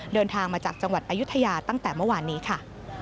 เดินทางมาจากจังหวัดอายุทยาตั้งแต่เมื่อวานนี้ค่ะ